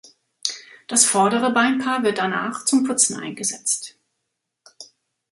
Das vordere Beinpaar wird danach zum Putzen eingesetzt.